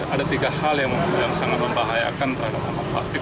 ada tiga hal yang sangat membahayakan terhadap sampah plastik